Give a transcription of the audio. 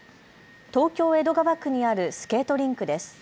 東京江戸川区にあるスケートリンクです。